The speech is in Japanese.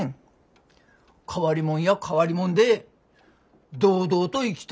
変わりもんや変わりもんで堂々と生きたらよか。